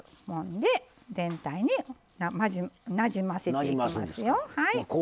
全体になじませていきますよ。